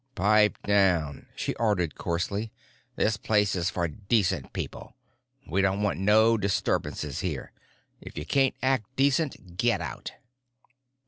"Pipe down," she ordered coarsely. "This place is for decent people; we don't want no disturbances here. If you can't act decent, get out."